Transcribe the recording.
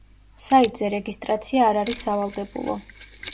საიტზე რეგისტრაცია არ არის სავალდებულო.